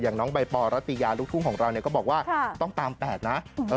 อย่างน้องใบปอร์รัติยาลูกทุ่งของเราก็บอกว่าต้องตาม๘นะ